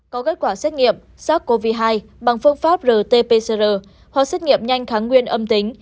có kết quả xét nghiệm sars cov hai bằng phương pháp rt pcr hoặc xét nghiệm nhanh kháng nguyên âm tính